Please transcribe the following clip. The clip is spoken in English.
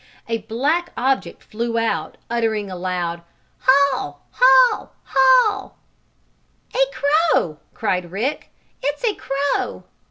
A black object flew out, uttering a loud: "Haw! Haw! Haw!" "A crow!" cried Rick. "It's a crow!"